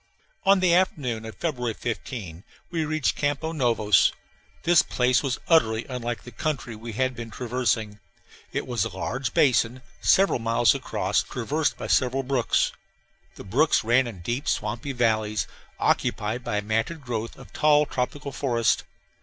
On the afternoon of February 15 we reached Campos Novos. This place was utterly unlike the country we had been traversing. It was a large basin, several miles across, traversed by several brooks. The brooks ran in deep swampy valleys, occupied by a matted growth of tall tropical forest.